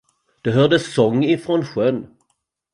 Det hördes sång ifrån sjön.